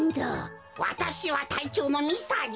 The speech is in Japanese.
わたしはたいちょうのミスターＧ。